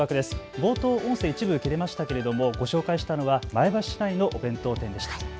冒頭、音声、一部切れましたけれどもご紹介したのは前橋市内の弁当店でした。